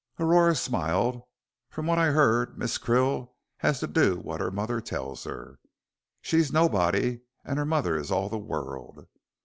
Aurora smiled. "From what I heard, Miss Krill has to do what her mother tells her. She's nobody and her mother is all the world.